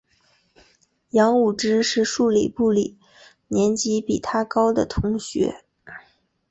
杨武之是数理部里年级比他高的同学。